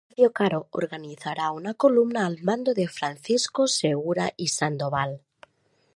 Ignacio Caro organizara una columna al mando de Francisco Segura y Sandoval.